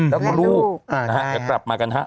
แล้วก็ลูกจะกลับมากันฮะ